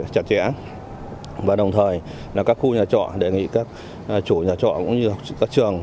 chặt chẽ và đồng thời là các khu nhà trọ đề nghị các chủ nhà trọ cũng như các trường